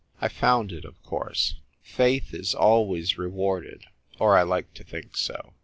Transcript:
I found it, of course. Faith is always rewarded, or I like to think so.